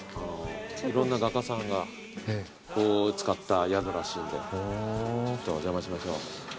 いろんな画家さんが使った宿らしいんでちょっとお邪魔しましょう。